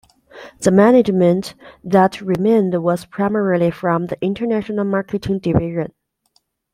The management that remained was primarily from the international marketing division.